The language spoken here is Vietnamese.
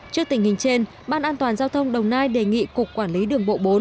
trước tình hình trên ban an toàn giao thông đồng nai đề nghị cục quản lý đường bộ bốn